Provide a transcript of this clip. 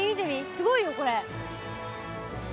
すごいよこれ。